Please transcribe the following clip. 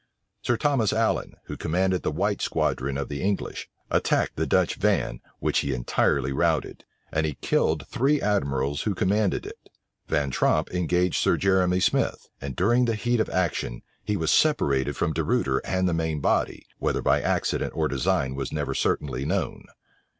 Sir Thomas Allen, who commanded the white squadron of the English, attacked the Dutch van, which he entirely routed; and he killed the three admirals who commanded it. Van Tromp engaged Sir Jeremy Smith; and during the heat of action, he was separated from De Ruyter and the main body, whether by accident or design was never certainly known.